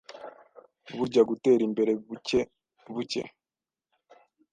Burya gutera imbere bucye bucye